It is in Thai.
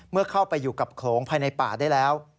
เมื่อเข้าไปอยู่กับโขลงภายในป่าได้แล้ว